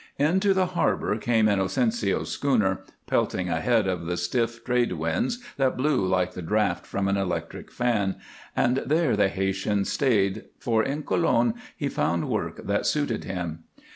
Into the harbor came Inocencio's schooner, pelting ahead of the stiff trade winds that blew like the draught from an electric fan, and there the Haytian stayed, for in Colon he found work that suited him.